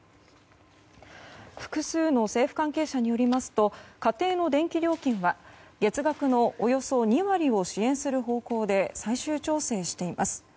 複数の政府関係者によりますと家庭の電気料金は月額のおよそ２割を支援する方向で最終調整しています。